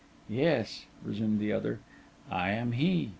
'Yes,' resumed the other, 'I am he.